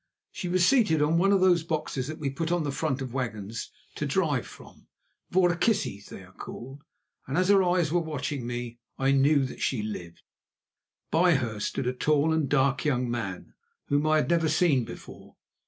She was seated on one of those boxes that we put on the front of wagons to drive from, voorkissies they are called, and as her eyes were watching me I knew that she lived. By her stood a tall and dark young man whom I had never seen before.